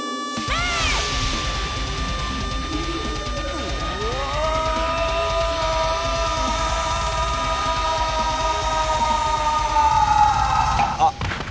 あっ。